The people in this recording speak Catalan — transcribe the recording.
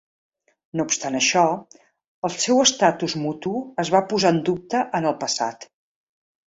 No obstant això, el seu estatus mutu es va posar en dubte en el passat.